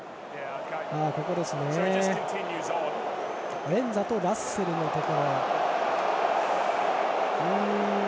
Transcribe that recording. アレンザとラッセルのところ。